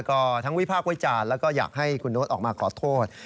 ก็ทั้งวิพากษ์วิจารณ์แล้วก็อยากให้คุณโน๊ตออกมาขอโทษ